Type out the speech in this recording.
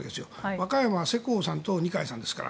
和歌山は世耕さんと二階さんですから。